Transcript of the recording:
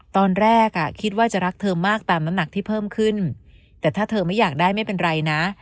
ตอนแรกอ่ะคิดว่าจะรักเธอมากตามน้ำหนักที่เพิ่มขึ้นแต่ถ้าเธอไม่อยากได้ไม่เป็นไรนะ